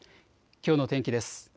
きょうの天気です。